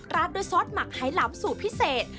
ราดด้วยซอสหมักไฮล้ำสูตรพิเศษ